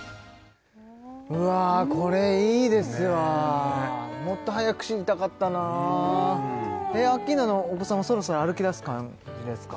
うわこれいいですわもっと早く知りたかったなアッキーナのお子さんもそろそろ歩きだす感じですか？